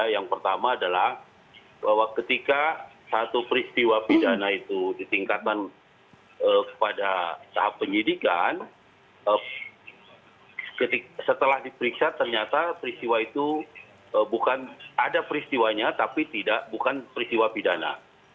yang pertama adalah bahwa ketika satu peristiwa pidana itu ditingkatkan pada tahap penyidikan setelah diperiksa ternyata peristiwa itu bukan ada peristiwanya tapi tidak bukan peristiwa pidana